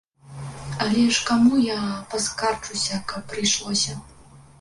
Але ж каму я паскарджуся, каб прыйшлося.